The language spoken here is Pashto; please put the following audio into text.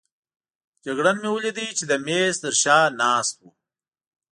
جګړن مې ولید چې د مېز تر شا ناست وو.